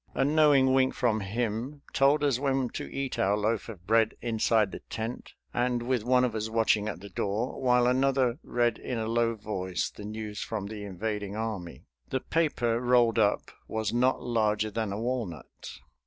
A knowing wink from him told us when to eat our loaf of bread inside the tent and with one of us watching at the door while another read in a low voice the news from the invading army. The paper rolled up was not larger than a walnut.